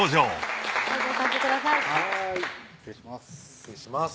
失礼します